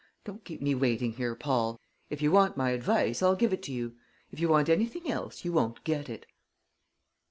Don't keep me waiting here, Paul. If you want my advice I'll give it to you. If you want anything else you won't get it."